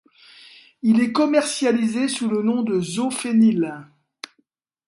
Il est commercialisé sous le nom de Zofénil.